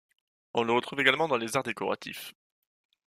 On le retrouve également dans les arts décoratifs.